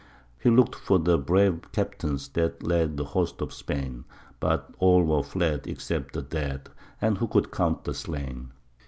He looked for the brave captains that led the hosts of Spain, But all were fled except the dead, and who could count the slain?